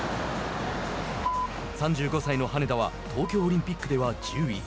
３５歳の羽根田は東京オリンピックでは１０位。